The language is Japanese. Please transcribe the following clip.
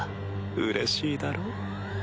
うれしいだろ？